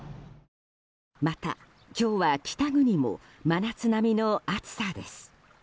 また、今日は北国も真夏並みの暑さです。